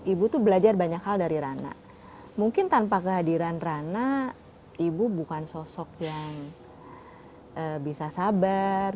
ibu tuh belajar banyak hal dari rana mungkin tanpa kehadiran rana ibu bukan sosok yang bisa sabar